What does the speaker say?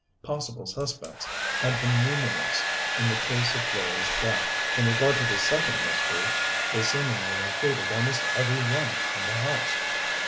Possible suspects had been numerous in the case of Florey's death: in regard to this second mystery they seemingly included almost every one in the house.